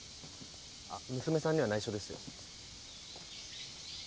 あっ娘さんにはないしょですよ。